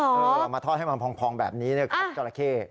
เอาหนังมาทอดให้มันพองแบบนี้เนี่ยครับจอราเค้